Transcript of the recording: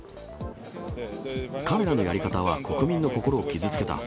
彼らのやり方は国民の心を傷つけた。